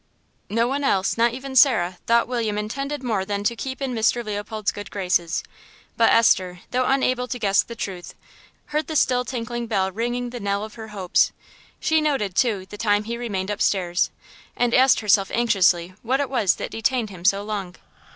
No one else, not even Sarah, thought William intended more than to keep in Mr. Leopold's good graces, but Esther, although unable to guess the truth, heard the still tinkling bell ringing the knell of her hopes. She noted, too, the time he remained upstairs, and asked herself anxiously what it was that detained him so long.